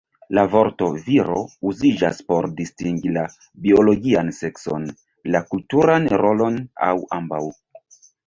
La vorto "viro" uziĝas por distingi la biologian sekson, la kulturan rolon aŭ ambaŭ.